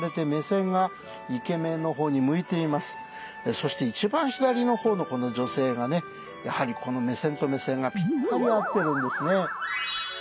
そして一番左の方のこの女性がねやはりこの目線と目線がぴったり合ってるんですね。